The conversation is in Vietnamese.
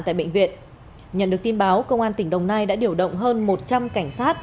tại bệnh viện nhận được tin báo công an tỉnh đồng nai đã điều động hơn một trăm linh cảnh sát